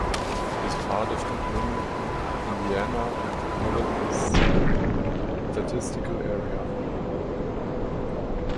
It is part of the Bloomington, Indiana, Metropolitan Statistical Area.